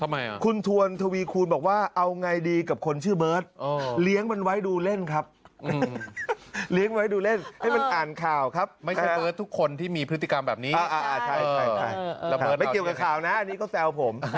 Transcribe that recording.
ไม่เกี่ยวกับข่าวนี้ก็แซวเปิ้ล